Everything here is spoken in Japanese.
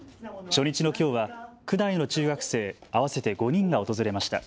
初日のきょうは区内の中学生合わせて５人が訪れました。